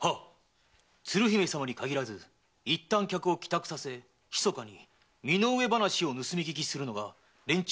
鶴姫様に限らずいったん客を帰宅させひそかに身の上話を盗み聞きするのが連中の手口と思われます。